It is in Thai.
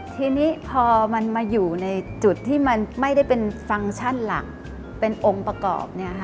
ทีนี้พอมันมาอยู่ในจุดที่มันไม่ได้เป็นฟังก์ชั่นหลักเป็นองค์ประกอบ